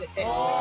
あ！